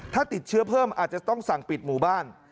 ถ้าติดเชื้อเพิ่มอาจจะต้องสั่งปิดหมู่บ้าน